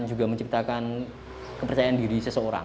juga menciptakan kepercayaan diri seseorang